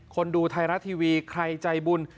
ดูไทยรัฐทีวีใครใจบุญ